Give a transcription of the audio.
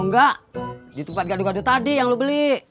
enggak di tempat gadu gadu tadi yang lo beli